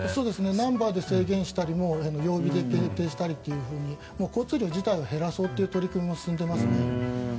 ナンバーで制限したり曜日で限定したり交通量自体を減らそうという取り組みがありますね。